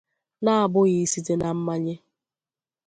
n'abụghị site na mmanye